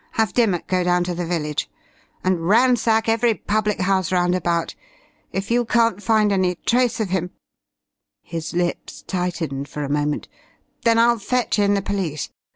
Have Dimmock go down to the village. And ransack every public house round about. If you can't find any trace of him " his lips tightened for a moment, "then I'll fetch in the police.